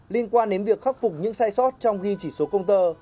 liên quan đến việc khắc phục những sai sót trong ghi chỉ số công tơ